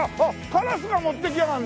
カラスが持っていきやがんの！